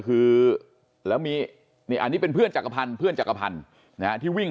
คือแล้วมีนี่อันนี้เป็นเพื่อนจักรพันธ์เพื่อนจักรพันธ์นะฮะที่วิ่ง